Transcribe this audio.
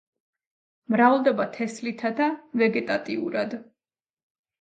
მრავლდება თესლითა და ვეგეტატიურად.